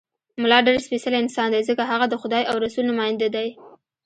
ملا ډېر سپېڅلی انسان دی، ځکه هغه د خدای او رسول نماینده دی.